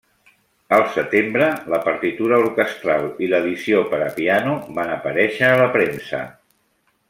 Al setembre, la partitura orquestral i l'edició per a piano van aparèixer a la premsa.